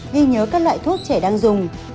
ghi nhớ các loại thuốc trẻ đang dùng